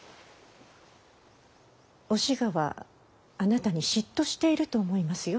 お志賀はあなたに嫉妬していると思いますよ。